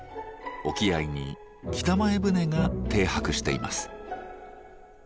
沖合に北前船が停泊しています。